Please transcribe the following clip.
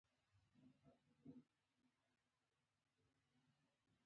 پلار څخه مې د ټولې کورنۍ پوښتنه وکړه